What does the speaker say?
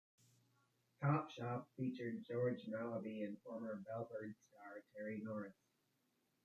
"Cop Shop" featured George Mallaby and former "Bellbird" star Terry Norris.